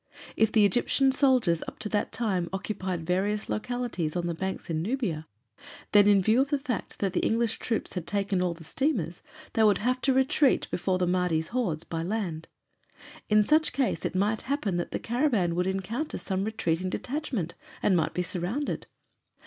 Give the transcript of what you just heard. If the Egyptian soldiers up to that time occupied various localities on the banks in Nubia, then in view of the fact that the English troops had taken all the steamers, they would have to retreat before the Mahdi's hordes by land. In such case it might happen that the caravan would encounter some retreating detachment and might be surrounded.